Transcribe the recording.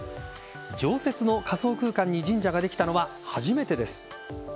常設の仮想空間に神社ができたのは初めてです。